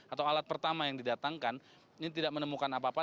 atau alat pertama yang didatangkan ini tidak menemukan apa apa